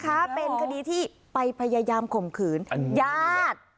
นะคะเป็นคดีที่ไปพยายามข่มขืนญาติ